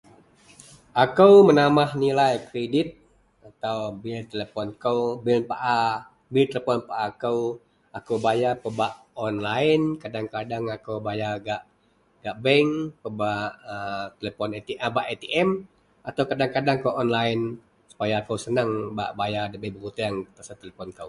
akou menambah nilai kredit atau bil telepon kou bil paa bil telepon paa kou, akou bebayar pebak online kadeng-kadeng akou bayar gak, gak bank pebak a telepon atm a pebak atm atau kadeng-kadeng online supaya akou bak bayar dabei berutang pasel telepon kou